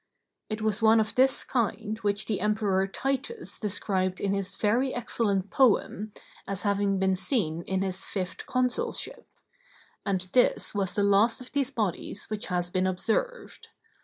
It was one of this kind which the Emperor Titus described in his very excellent poem, as having been seen in his fifth consulship; and this was the last of these bodies which has been observed.